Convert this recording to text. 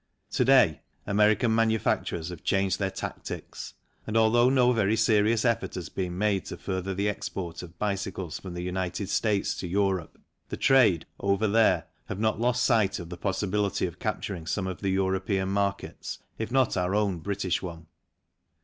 To day, American manufacturers have changed their tactics, and although no very serious effort has been made to further the export of bicycles from the United States to Europe, the trade " over there " have not lost sight of the possibility of capturing some of the European markets, if not our own British one.